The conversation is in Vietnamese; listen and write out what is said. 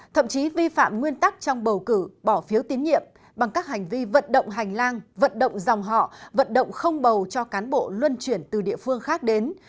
thậm chí vi phạm nguyên tắc trong bầu cử bỏ phiếu tín nhiệm bằng các hành vi vận động hành lang vận động dòng họ vận động không bầu cho cán bộ luân chuyển từ địa phương khác đến